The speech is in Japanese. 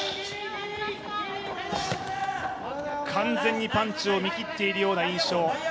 完全にパンチを見切っているような印象。